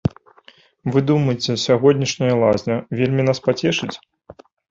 Вы думаеце, сягонняшняя лазня вельмі нас пацешыць?